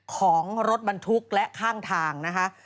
ของรถบรรทุกและข้างทางนะคะ